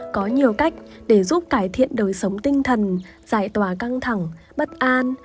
có nhiều cách để giúp cải thiện đời sống tinh thần giải tỏa căng thẳng bất an